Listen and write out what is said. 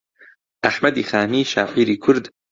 ئەحمەدی خانی شاعیری کورد